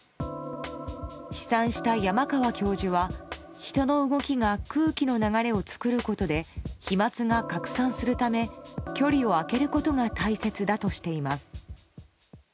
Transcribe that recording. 試算した山川教授は、人の動きが空気の流れを作ることで飛沫が拡散するため距離を空けることが大切だとしています。